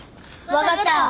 分かった！